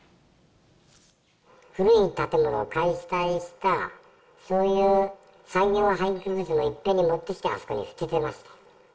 古い建物を解体した、そういう産業廃棄物もいっぺんに持ってきて、あそこに捨ててまし